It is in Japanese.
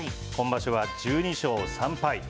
今場所は１２勝３敗。